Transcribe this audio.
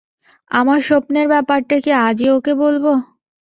আমার স্বপ্নের ব্যাপারটা কি আজই ওকে বলব?